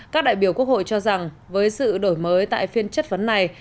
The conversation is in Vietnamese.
các đại biểu quốc hội cho rằng với sự đổi mới tại phiên chất vấn này